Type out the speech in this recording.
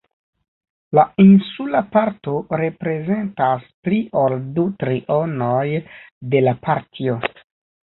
La insula parto reprezentas pli ol du trionoj de la partio.